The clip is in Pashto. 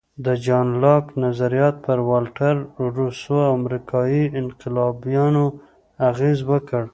د جان لاک نظریات پر والټر، روسو او امریکایي انقلابیانو اغېز وکړ.